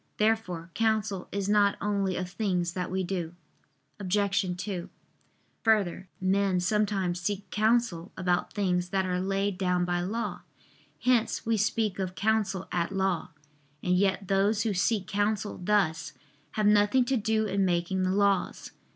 Therefore counsel is not only of things that we do. Obj. 2: Further, men sometimes seek counsel about things that are laid down by law; hence we speak of counsel at law. And yet those who seek counsel thus, have nothing to do in making the laws.